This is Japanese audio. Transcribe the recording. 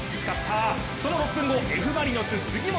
その６分後、Ｆ・マリノス、杉本。